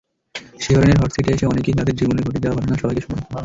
শিহরণের হটসিটে এসে অনেকেই তাদের জীবনে ঘটে যাওয়া ঘটনা সবাইকে শোনায়।